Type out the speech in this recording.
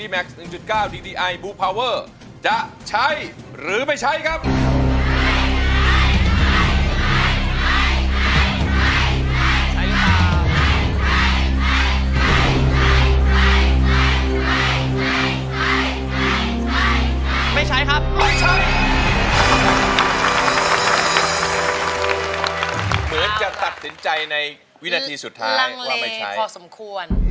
เหมือนจะตัดสินใจในวินาทีสุดท้ายรังเลพอสมควร